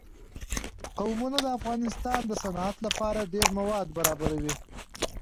قومونه د افغانستان د صنعت لپاره ډېر مواد برابروي.